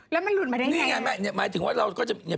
แล้วมันหลุดมาได้ไงนี่ไงหมายถึงว่าเราก็จะ